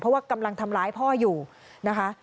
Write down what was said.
เพราะว่ากำลังทำร้ายพ่ออยู่นะคะ